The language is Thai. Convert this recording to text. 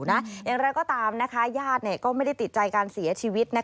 อย่างไรก็ตามญาติก็ไม่ได้ติดใจการเสียชีวิต